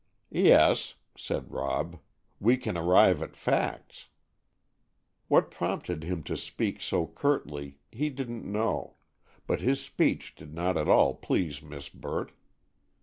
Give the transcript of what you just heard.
"Yes," said Rob; "we can arrive at facts." What prompted him to speak so curtly, he didn't know; but his speech did not at all please Miss Burt.